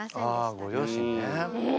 あご両親ね。